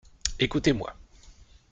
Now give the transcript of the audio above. Écoutez-moi.